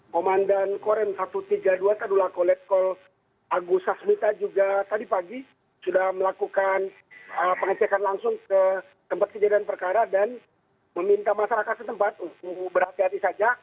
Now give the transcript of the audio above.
komandan korem satu ratus tiga puluh dua tadulako letkol agus sasmita juga tadi pagi sudah melakukan pengecekan langsung ke tempat kejadian perkara dan meminta masyarakat setempat untuk berhati hati saja